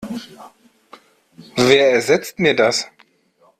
Wer ersetzt mir das?